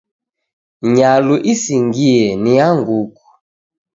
Nyalu isingie ni ya nguku.